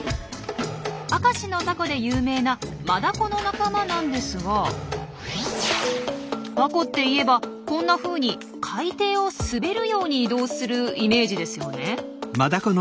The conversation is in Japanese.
明石のタコで有名なマダコの仲間なんですがタコっていえばこんなふうに海底を滑るように移動するイメージですよね。